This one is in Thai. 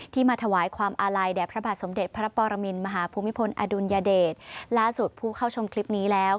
มาถวายความอาลัยแด่พระบาทสมเด็จพระปรมินมหาภูมิพลอดุลยเดชล่าสุดผู้เข้าชมคลิปนี้แล้ว